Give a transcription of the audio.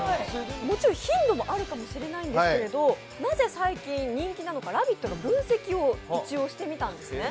もちろん頻度もあるかもしれないんですけれども、なぜ最近、人気なのか「ラヴィット！」が分析をしてみたんですね。